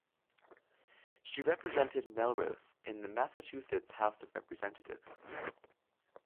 She represented Melrose in the Massachusetts House of Representatives.